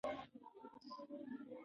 پښتو د علم د ترانسپورت یوه وسیله ده.